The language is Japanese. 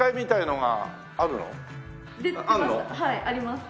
はいあります。